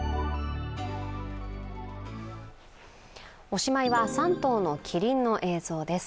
おしまいは、３頭のキリンの映像です。